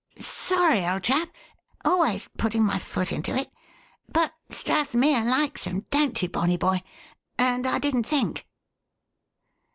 "Sorry, old chap always puttin' my foot into it. But Strathmere likes 'em, don't you, bonny boy? and I didn't think."